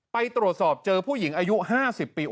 ไปตรวจสอบเจอผู้หญิงอายุ๕๐ปี